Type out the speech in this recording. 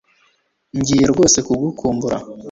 Ngiye rwose kugukumbura